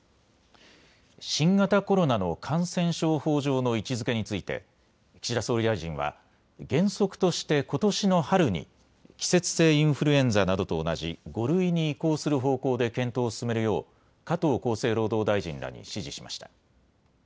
新型コロナの感染症法上の位置づけについて岸田総理大臣は原則としてことしの春に季節性インフルエンザなどと同じ５類に移行する方向で検討を進めるよう加藤厚生労働大臣らに指示しました。